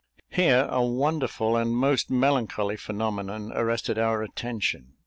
Here a wonderful and most melancholy phenomenon arrested our attention.